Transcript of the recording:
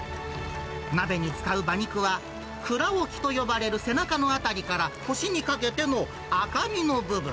なべに使う馬肉は、くらおきと呼ばれる背中の辺りから、腰にかけての赤身の部分。